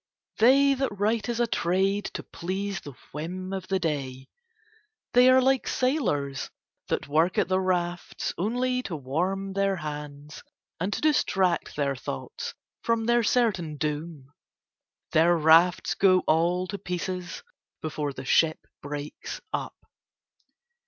They that write as a trade to please the whim of the day, they are like sailors that work at the rafts only to warm their hands and to distract their thoughts from their certain doom; their rafts go all to pieces before the ship breaks up.